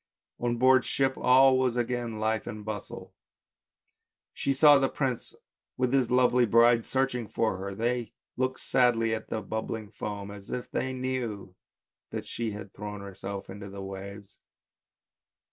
On board ship all was again life and bustle, she saw the prince with his lovely bride searching for her, they looked sadly at the bubbling foam, as if they knew that she had thrown herself into the waves.